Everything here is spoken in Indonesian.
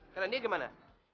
karena ini dimana